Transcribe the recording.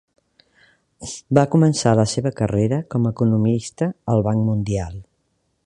Va començar la seva carrera com a economista al Banc Mundial.